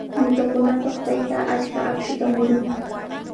Ñuqakunapaq taytaa achka akshuta murun.